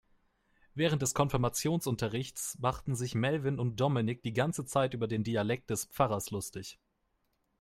Während des Konfirmationsunterrichts machten sich Melvin und Dominik die ganze Zeit über den Dialekt des Pfarrers lustig.